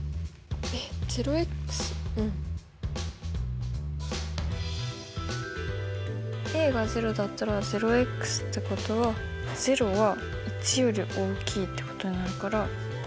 ０。が０だったら０ってことは０は１より大きいってことになるから。